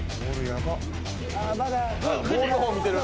ボールの方見てる。